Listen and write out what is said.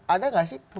ada nggak sih